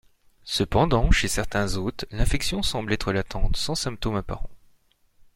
Cependant, chez certains hôtes, l'infection semble être latente, sans symptôme apparent.